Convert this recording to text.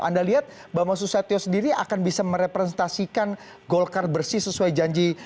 anda lihat bambang susatyo sendiri akan bisa merepresentasikan golkar bersih sesuai janji